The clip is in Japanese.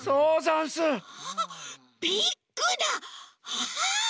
ああ！